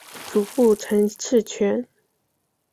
祖父陈赐全。